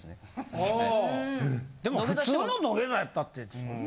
でも普通の土下座やったってそんなん。